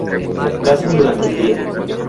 Cazan durante el día.